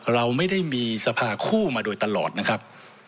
เราไม่ได้มีสภาคู่มาโดยตลอดนะครับ